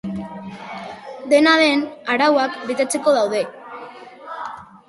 Dena den, arauak betetzeko daude.